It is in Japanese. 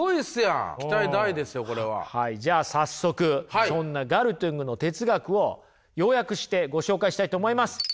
じゃあ早速そんなガルトゥングの哲学を要約してご紹介したいと思います。